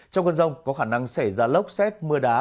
trong cơn rông có khả năng xảy ra lốc xét mưa đá